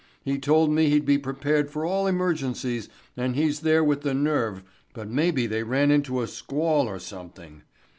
He told me he'd be prepared for all emergencies and he's there with the nerve, but maybe they ran into a squall or something.